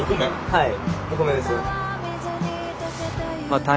はい。